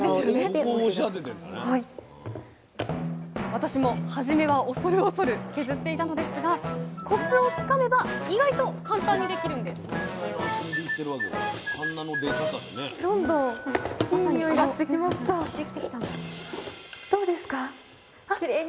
私も初めは恐る恐る削っていたのですがコツをつかめば意外と簡単にできるんです